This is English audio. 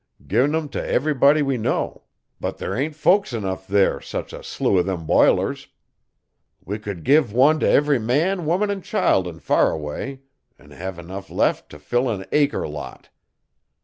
Gin 'em t'everybody we know but there ain't folks enough' there's such a slew o'them bilers. We could give one to ev'ry man, woman an' child in Faraway an' hex enough left t'fill an acre lot.